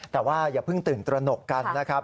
แต่ว่าอย่าพึ่งตื่นเตือนตัวหนกกันครับ